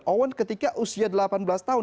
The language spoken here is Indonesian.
owen ketika usia delapan belas tahun